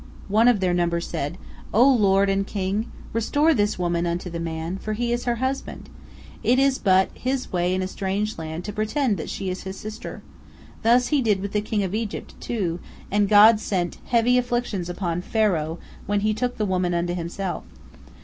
One of their number said: "O lord and king! Restore this woman unto the man, for he is her husband. It is but his way in a strange land to pretend that she is his sister. Thus did he with the king of Egypt, too, and God sent heavy afflictions upon Pharaoh when he took the woman unto himself.